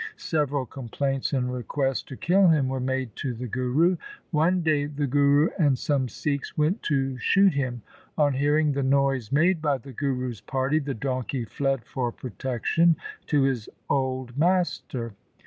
Several com plaints and requests to kill him were made to the Guru. One day the Guru and some Sikhs went to shoot him. On hearing the noise made by the Guru's party the donkey fled for protection to his old master.